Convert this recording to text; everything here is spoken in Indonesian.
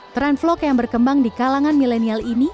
tren vlog yang berkembang di kalangan milenial ini